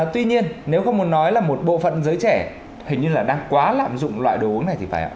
tuy nhiên nếu không muốn nói là một bộ phận giới trẻ hình như là đang quá lạm dụng loại đồ uống này thì phải ạ